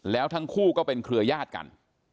แล้วทั้งคู่ก็เป็นเครือยาศกัน